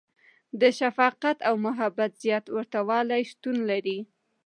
• د شفقت او محبت زیات ورتهوالی شتون لري.